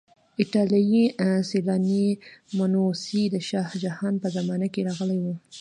ایټالیایی سیلانی منوسي د شاه جهان په زمانه کې راغلی و.